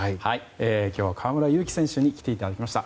今日は河村勇輝選手に来ていただきました。